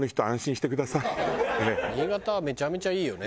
新潟はめちゃめちゃいいよね。